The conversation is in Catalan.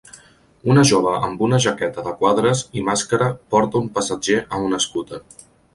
Una jove amb una jaqueta de quadres i màscara porta un passatger a un escúter.